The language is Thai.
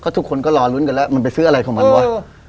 ทุกคนก็รอลุ้นกันแล้วมันไปซื้ออะไรของมันวะ